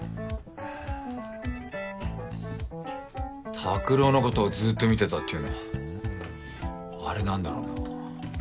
「拓郎のことをずっと見てた」っていうのはあれ何だろうな。